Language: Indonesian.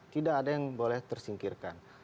tidak ada yang boleh tersingkirkan